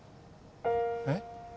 えっ？